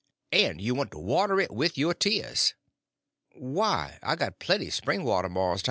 And you want to water it with your tears." "Why, I got plenty spring water, Mars Tom."